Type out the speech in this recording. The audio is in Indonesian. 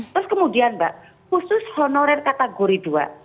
terus kemudian mbak khusus honorer kategori dua